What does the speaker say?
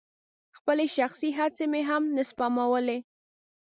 خپلې شخصي هڅې مې هم نه سپمولې.